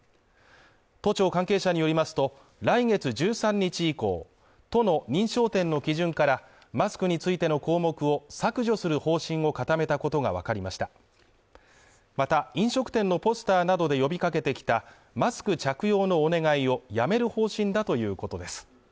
都庁関係者によりますと来月１３日以降都の認証店の基準からマスクについての項目を削除する方針を固めたことが分かりましたまた飲食店のポスターなどで呼びかけてきたマスク着用のお願いをやめる方針だということです